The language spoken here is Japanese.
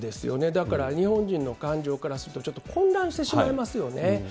だから、日本人の感情からすると、ちょっと混乱してしまいますよね。